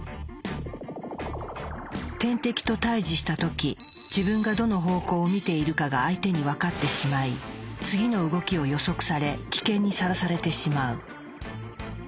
天敵と対峙した時自分がどの方向を見ているかが相手に分かってしまい次の動きを予測され危険にさらされてしまう。